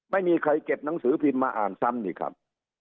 ไม่มีใครเก็บหนังสือพิมพ์มาอ่านซ้ำนี่ครับ